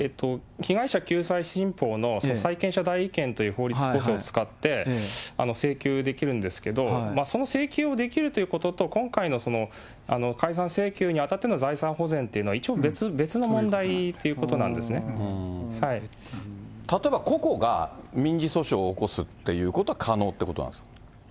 その被害者救済新法の債権者代位権という法律こうせいを使って、請求できるんですけど、その請求をできるということと、今回のその解散請求にあたっての財産保全というのは、一応別の問例えば、ここが民事訴訟を起こすっていうことは可能ということなんですか。